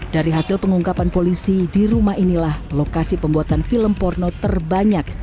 dari hasil pengungkapan polisi di rumah inilah lokasi pembuatan film porno terbanyak